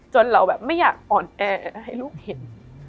เราแบบไม่อยากอ่อนแอให้ลูกเห็น